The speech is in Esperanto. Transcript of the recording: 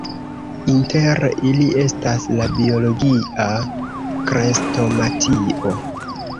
Inter ili estas la Biologia Krestomatio.